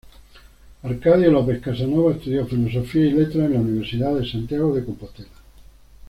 Arcadio López Casanova estudió Filosofía y Letras en la Universidad de Santiago de Compostela.